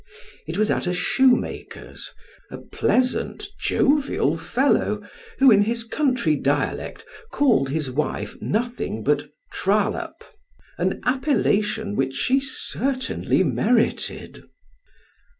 It was at a shoemaker's; a pleasant, jovial fellow, who, in his county dialect, called his wife nothing but trollop; an appellation which she certainly merited.